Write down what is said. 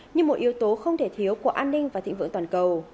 như một yếu tố không thể thiếu của an ninh và thịnh vượng toàn cầu